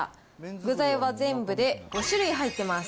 具材は全部で５種類入ってます。